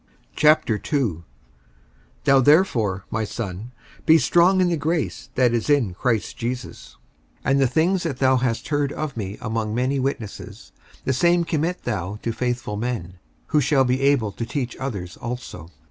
55:002:001 Thou therefore, my son, be strong in the grace that is in Christ Jesus. 55:002:002 And the things that thou hast heard of me among many witnesses, the same commit thou to faithful men, who shall be able to teach others also.